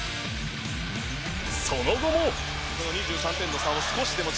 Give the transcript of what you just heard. その後も。